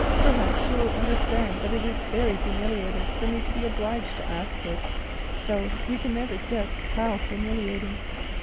Perhaps you will understand that this is very humiliating for me to be obliged to ask this, though you can never guess how humiliating.